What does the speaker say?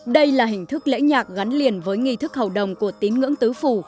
đây là hình thức lễ nhạc gắn liền với nghị thức hậu đồng của tín ngưỡng tứ phủ